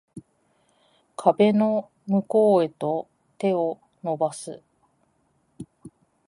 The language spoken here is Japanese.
壁の向こうへと手を伸ばす